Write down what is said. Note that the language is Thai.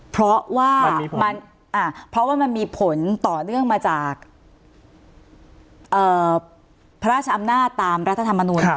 เพราะว่าเพราะว่ามันมีผลต่อเนื่องมาจากพระราชอำนาจตามรัฐธรรมนุน